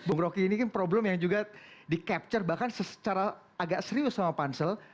bung roky ini kan problem yang juga di capture bahkan secara agak serius sama pansel